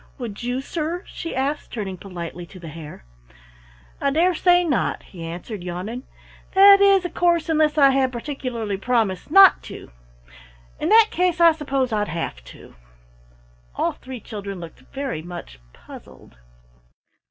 Would you, sir?" she asked, turning politely to the Hare. "I dare say not," he answered, yawning. "That is, of course, unless I had particularly promised not to. In that case I suppose I'd have to." All three children looked very much puzzled.